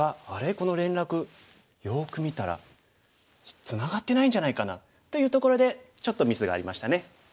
この連絡よく見たらツナがってないんじゃないかな」というところでちょっとミスがありましたね。